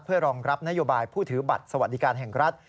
เพื่อรองรับนโยบายผู้ถือบัตรสวัสดิการแห่งรัฐ